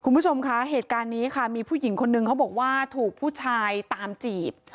คุณผู้ชมคะเหตุการณ์นี้ค่ะมีผู้หญิงคนนึงเขาบอกว่าถูกผู้ชายตามจีบ